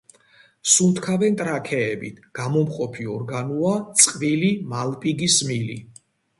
სუნთქავენ ტრაქეებით, გამომყოფი ორგანოა წყვილი მალპიგის მილი.